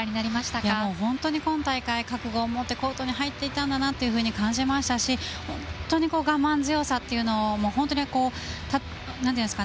本当に今大会、覚悟を持ってコートに入っていたんだなと感じましたし本当に我慢強さというのを感じました。